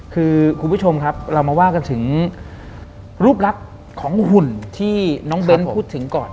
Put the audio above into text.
คือคุณผู้ชมครับเรามาว่ากันถึงรูปลักษณ์ของหุ่นที่น้องเบ้นพูดถึงก่อน